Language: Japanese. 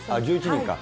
１１人か。